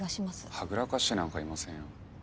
はぐらかしてなんかいませんよ。